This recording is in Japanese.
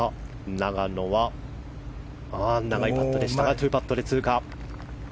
永野は長いパットでしたが２パットで通過。